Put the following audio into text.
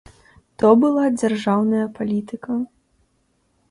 То была дзяржаўная палітыка.